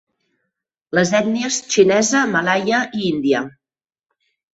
Les ètnies xinesa, malaia i índia.